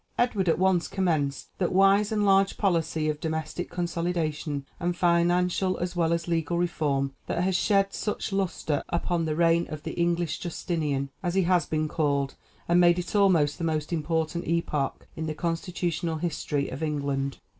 Edward at once commenced that wise and large policy of domestic consolidation and financial as well as legal reform, that has shed such lustre upon the reign of the English Justinian, as he has been called, and made it almost the most important epoch in the constitutional history of England.